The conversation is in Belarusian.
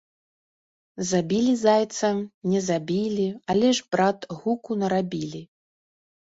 Забілі зайца, не забілі, але ж, брат, гуку нарабілі